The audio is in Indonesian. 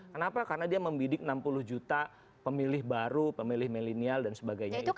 kenapa karena dia membidik enam puluh juta pemilih baru pemilih milenial dan sebagainya itu